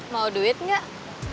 mau duit gak